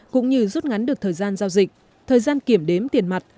cũng như rút ngắn được thời gian giao dịch thời gian kiểm đếm tiền mặt